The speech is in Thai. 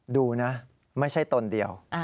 ดูนะไม่ใช่ตนเดียว